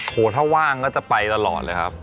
โอ้โหถ้าว่างก็จะไปตลอดเลยครับ